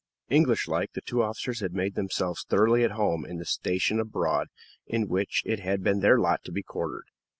English like, the two officers had made themselves thoroughly at home in the station abroad in which it had been their lot to be quartered.